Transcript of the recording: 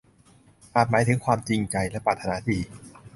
อาจหมายถึงความจริงใจและปรารถนาดี